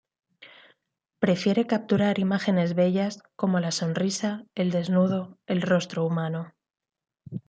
Prefiere capturar imágenes bellas, como la sonrisa, el desnudo, el rostro humano.